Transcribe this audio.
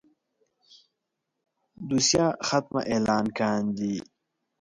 دوسيه ختمه اعلان کاندي.